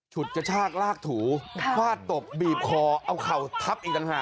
ฉุดกระชากลากถูฟาดตบบีบคอเอาเข่าทับอีกต่างหาก